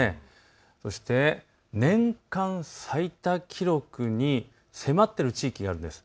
そして年間最多記録に迫っている地域があるんです。